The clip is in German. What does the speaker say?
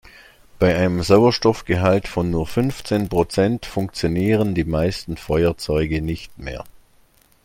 Bei einem Sauerstoffgehalt von nur fünfzehn Prozent funktionieren die meisten Feuerzeuge nicht mehr.